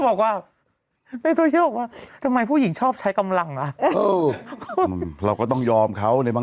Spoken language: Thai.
ก็บอกว่าแม่โซเชียบอกว่า